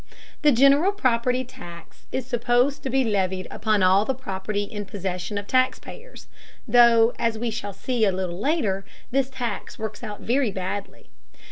The general property tax is supposed to be levied upon all the property in the possession of taxpayers, though as we shall see a little later, this tax works out very badly.